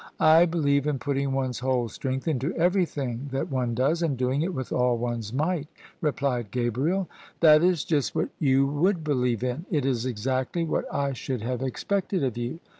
" I believe in putting one's whole strength into everjrthing diat one does, and doing it with all one's might," replied Gabriel. "That is just what you would believe in: it Is exactly what I should have expected of you."